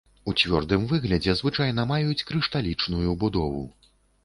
У цвёрдым выглядзе звычайна маюць крышталічную будову.